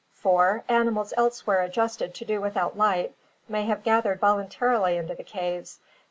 (4) Animals elsewhere adjusted to do without light may have gathered voluntarily into the caves.